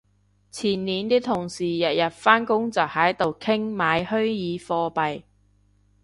前年啲同事日日返工就喺度傾買虛擬貨幣